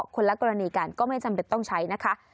คนละกรณีกันก็ไม่จำเป็นต้องใช้นะคะ